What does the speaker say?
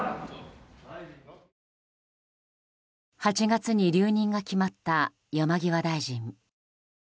８月に留任が決まった山際大臣。